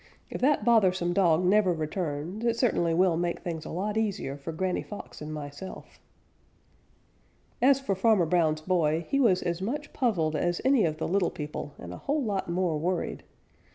If that bothersome dog never returns, it certainly will make things a lot easier for Granny Fox and myself." As for Farmer Brown's boy, he was as much puzzled as any of the little people and a whole lot more worried.